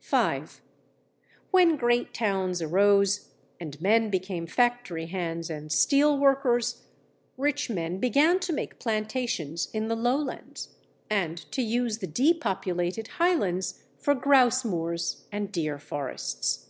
5. When great towns arose, and men became factory hands and steel workers, rich men began to make plantations in the lowlands, and to use the depopulated highlands for grouse moors and deer forests.